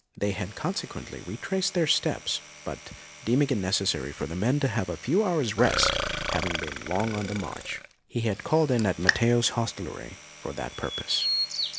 They had consequently retraced their steps, but deeming it necessary for his men to have a few hours' rest, having been long on the march, he had called in at Matteo's hostelry for that purpose.